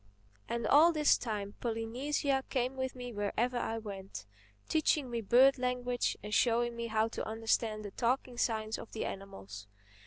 And all this time Polynesia came with me wherever I went, teaching me bird language and showing me how to understand the talking signs of the animals.